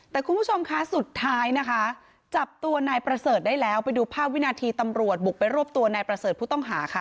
แต่คุณผู้ชมคะสุดท้ายนะคะจับตัวนายประเสริฐได้แล้วไปดูภาพวินาทีตำรวจบุกไปรวบตัวนายประเสริฐผู้ต้องหาค่ะ